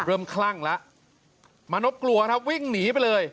คลั่งแล้วมานพกลัวครับวิ่งหนีไปเลย